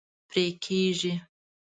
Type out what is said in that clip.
پرې کیږي